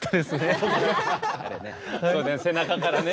そうだね背中からね。